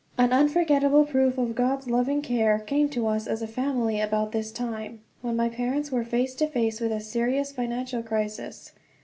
An unforgetable proof of God's loving care came to us as a family about this time, when my parents were face to face with a serious financial crisis.